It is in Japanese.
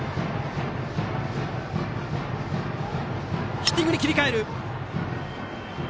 ヒッティングに切り替える。